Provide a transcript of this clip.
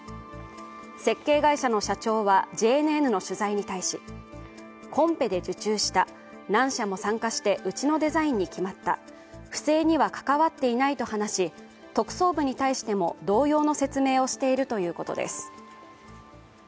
設計会社の社長はＪＮＮの取材に対し、コンペで受注した、何社も参加してうちのデザインに決まった、不正には関わっていないと話し特捜部に対しても同様の説明をしているということです。